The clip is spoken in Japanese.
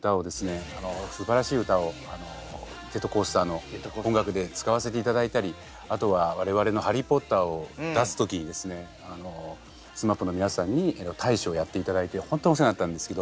すばらしい歌をジェットコースターの音楽で使わせていただいたりあとは我々の「ハリー・ポッター」を出す時にですねＳＭＡＰの皆さんに大使をやっていただいて本当お世話になったんですけど。